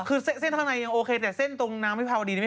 คือเส้นทางในยังโอเคแต่เส้นตรงน้ำพี่พาวดีไม่ไหว